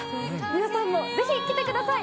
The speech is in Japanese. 皆さんもぜひ来てください。